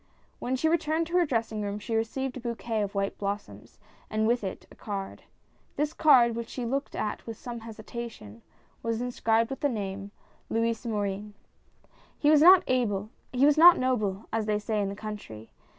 When she returned to her dressing room she received a bouquet of white blossoms, and with it a card. This card, which she looked at with some hesitation, was inscribed with the name, LOUIS MORIN. He was not noble, as they say in the country.